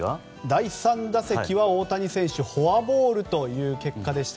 第３打席はフォアボールという結果でした。